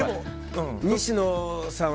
西野さんは。